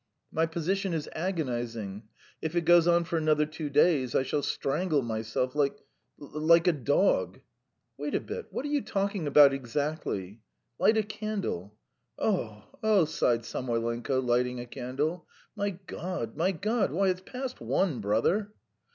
My position is agonising. If it goes on for another two days I shall strangle myself like ... like a dog." "Wait a bit. ... What are you talking about exactly?" "Light a candle." "Oh ... oh! ..." sighed Samoylenko, lighting a candle. "My God! My God! ... Why, it's past one, brother."